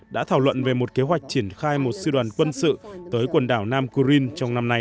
đã thảo luận về một kế hoạch triển khai một sư đoàn quân sự tới quần đảo nam kurin trong năm nay